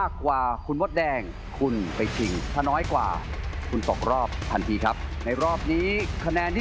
คะแนนที่คุณทำได้ในรอบนี้คือ